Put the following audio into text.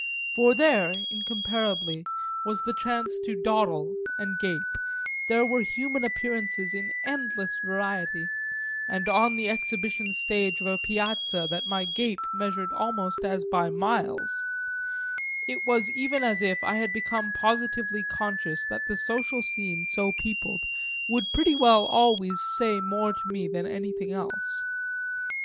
For there, incomparably, was the chance to dawdle and gape; there were human appearances in endless variety and on the exhibition stage of a piazza that my gape measured almost as by miles; it was even as if I had become positively conscious that the social scene so peopled would pretty well always say more to me than anything else.